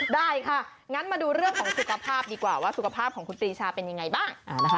ได้ค่ะงั้นมาดูเรื่องของสุขภาพดีกว่าว่าสุขภาพของคุณปรีชาเป็นยังไงบ้างนะคะ